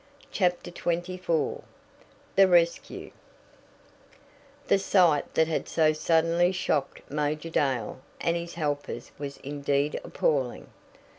CHAPTER XXIV THE RESCUE The sight that had so suddenly shocked Major Dale and his helpers was indeed appalling.